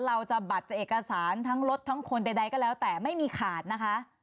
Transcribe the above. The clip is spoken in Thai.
บัตรจะเอกสารทั้งรถทั้งคนใดก็แล้วแต่ไม่มีขาดนะคะ